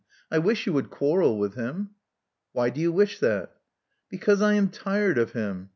I wish you would quarrel with him." Why do you wish that?" Because I am tired of him.